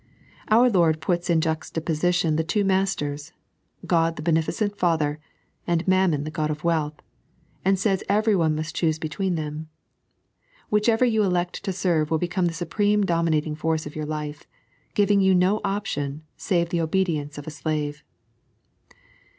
Our Lord puts in juxtaposition the two masters — Qod the Beneficent Father, and Mammon the god of wealth, and says everyone must choose between them. Whichever you elect to serve will become the supreme dominating force in your life, giving you no option, save the obedience of a slave.